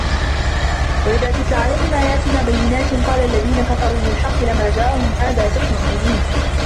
وَإِذا تُتلى عَلَيهِم آياتُنا بَيِّناتٍ قالَ الَّذينَ كَفَروا لِلحَقِّ لَمّا جاءَهُم هذا سِحرٌ مُبينٌ